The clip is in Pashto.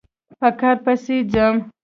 په کار پسې ځم